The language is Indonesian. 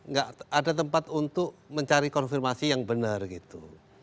nggak ada tempat untuk mencari konfirmasi yang benar gitu